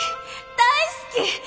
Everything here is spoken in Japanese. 大好き！